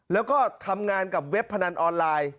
แล้วก็ทำงานกับเว็บพนันออนไลน์